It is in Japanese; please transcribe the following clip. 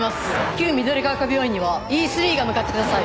旧緑ヶ丘病院にはＥ３が向かってください。